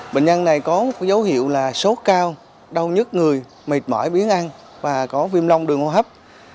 bệnh nhân này có dấu hiệu là sốt cao đau nhất người mệt mỏi biến ăn và có viêm long đường hô hấp